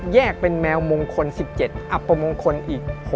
แยกเป็นแมวมงคล๑๗อัปมงคลอีก